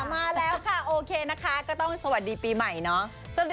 มาแล้วค่ะโอเคนะคะก็ต้องสวัสดีปีใหม่เนาะ